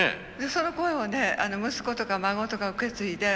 その声をね息子とか孫とか受け継いで。